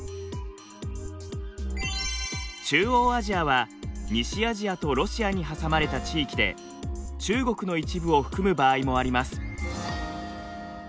中央アジアは西アジアとロシアに挟まれた地域で中国の一部を含む場合もあります。